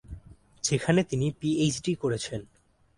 যেখানে তিনি পিএইচডি করেছেন।